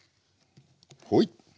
ほい。